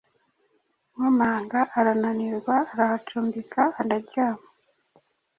Nkomanga arananirwa arahacumbika araryama